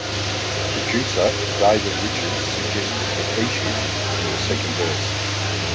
Producer David Richards suggested the key-shift in the second verse.